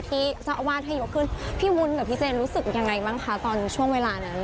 เจ้าอาวาสให้ยกขึ้นพี่วุ้นกับพี่เจนรู้สึกยังไงบ้างคะตอนช่วงเวลานั้น